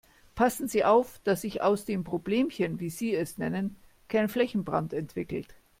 Passen Sie auf, dass sich aus dem Problemchen, wie Sie es nennen, kein Flächenbrand entwickelt.